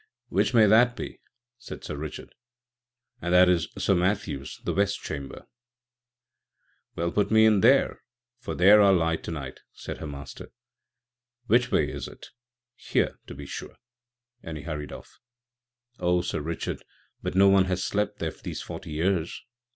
"Which may that be?" said Sir Richard. "And that is Sir Matthew's â€" the West Chamber." "Well, put me in there, for there I'll lie to night," said her master. "Which way is it? Here, to besure"; and he hurried off. "Oh, Sir Richard, but no one has slept there these forty years.